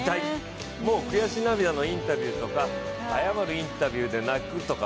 もう悔し涙のインタビューとか謝るインタビューで泣くとか